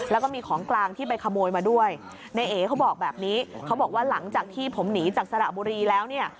แล้วก็มีของกลางที่ไปขโมยมาด้วยนายเอ๋เขาบอกแบบนี้เขาบอกว่าหลังจากที่ผมหนีจากสระบุรีแล้วเนี่ย